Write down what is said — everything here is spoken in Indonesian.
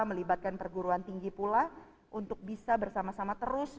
melibatkan perguruan tinggi pula untuk bisa bersama sama terus